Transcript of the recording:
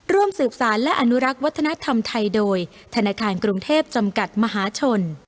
ร่วมสืบสารและอนุรักษ์วัฒนธรรมไทยโดยธนาคารกรุงเทพจำกัดมหาชน